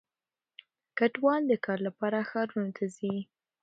کډوال د کار لپاره ښارونو ته ځي.